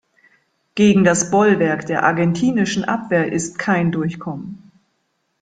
Gegen das Bollwerk der argentinischen Abwehr ist kein Durchkommen.